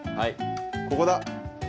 ここだ！